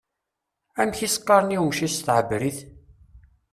Amek i s-qqaṛen i umcic s tɛebrit?